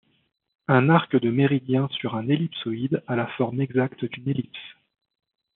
Un arc de méridien sur un ellipsoïde a la forme exacte d'une ellipse.